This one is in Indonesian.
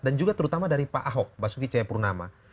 dan juga terutama dari pak ahok basuki ceyapurnama